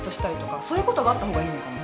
そういうことがあった方がいいのかも。